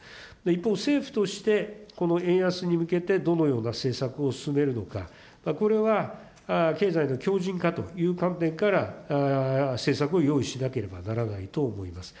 一方、政府として、この円安に向けてどのような政策を進めるのか、これは経済の強じん化という観点から政策を用意しなければならないと思います。